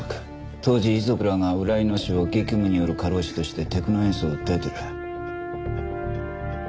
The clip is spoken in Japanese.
当時遺族らが浦井の死を激務による過労死としてテクノエンスを訴えてる。